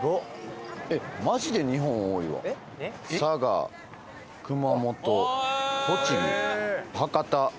佐賀熊本栃木博多